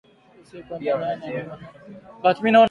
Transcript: usiku wa manane yaliyofanywa kwa kutumia mapanga na mashoka